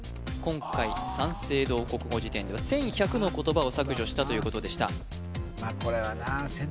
今回三省堂国語辞典では１１００の言葉を削除したということでしたま